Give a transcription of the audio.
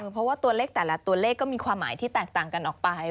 เพราะว่าตัวเลขแต่ละตัวเลขก็มีความหมายที่แตกต่างกันออกไป